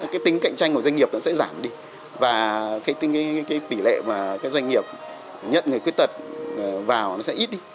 cái tính cạnh tranh của doanh nghiệp nó sẽ giảm đi và cái tỷ lệ mà cái doanh nghiệp nhận người khuyết tật vào nó sẽ ít đi